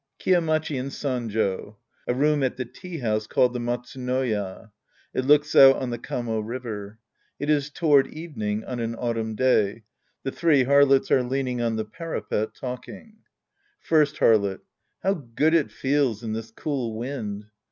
{Kiya Machi in Sanjo. A room at the tea house called the Matsunoya. It looks out on the Kamo River. It is toward evening on an autumn day. The three Harlots are leaning on the parapet talking^ First Harlot. How good it feels in this cool wind